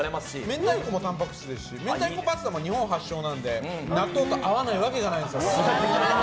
明太子もたんぱく質ですし明太子パスタも日本発祥なので納豆と合わないわけがないんです。